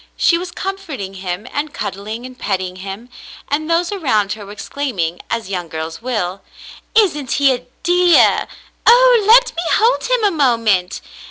She was comforting him and cuddling and petting him, and those around her were exclaiming as young girls will :" Isn't he a dear !"—" Oh, let me hold him a moment